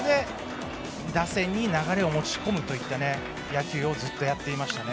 打線に流れを持ち込むといった野球をずっとやってましたね。